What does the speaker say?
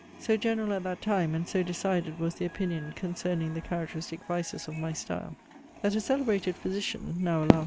So general at that time, and so decided was the opinion concerning the characteristic vices of my style, that a celebrated physician (now, alas!